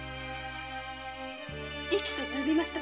直訴に及びました